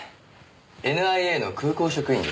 ＮＩＡの空港職員です。